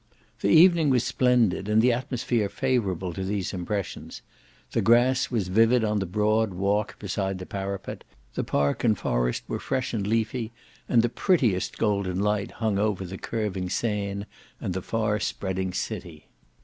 The evening was splendid and the atmosphere favourable to these impressions; the grass was vivid on the broad walk beside the parapet, the park and forest were fresh and leafy and the prettiest golden light hung over the curving Seine and the far spreading city.